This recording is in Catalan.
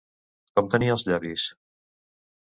Com tenia els llavis?